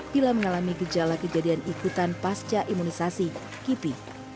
bila mengalami gejala kejadian ikutan pasca imunisasi kipi